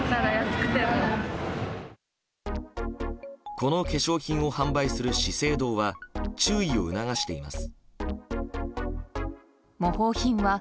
この化粧品を販売する資生堂は注意を促しています。